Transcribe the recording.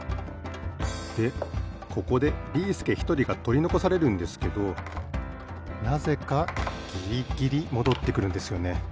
でここでビーすけひとりがとりのこされるんですけどなぜかギリギリもどってくるんですよね。